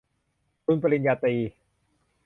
ทุนปริญญาตรี